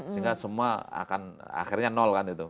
sehingga semua akan akhirnya nol kan itu